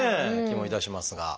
気もいたしますが。